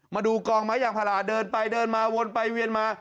มาดูกองไม้ยางพาราเดินไปเดินมาวนไปเวียนมา